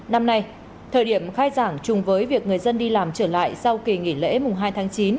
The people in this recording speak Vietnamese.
năm nay thời điểm khai giảng chung với việc người dân đi làm trở lại sau kỳ nghỉ lễ mùng hai tháng chín